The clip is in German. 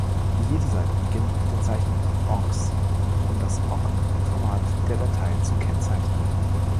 Jede Seite beginnt mit den Zeichen „OggS“, um das Ogg-Format der Datei zu kennzeichnen.